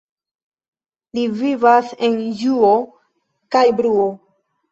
Li vivas en ĝuo kaj bruo.